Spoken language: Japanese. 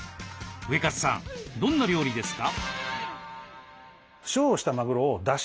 ウエカツさんどんな料理ですか？